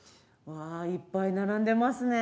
わあいっぱい並んでますね。